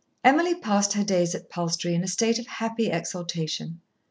Emily passed her days at Palstrey in a state of happy exaltation.